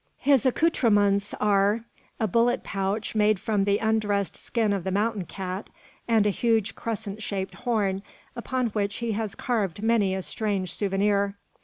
His accoutrements are, a bullet pouch made from the undressed skin of the mountain cat, and a huge crescent shaped horn, upon which he has carved many a strange souvenir.